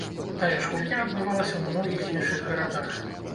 Тая ж гульня адбывалася ў многіх іншых гарадах.